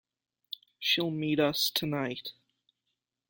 She'll meet us tonight.